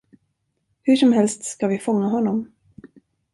Hursomhelst ska vi fånga honom.